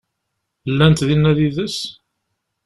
Llant dinna yid-s?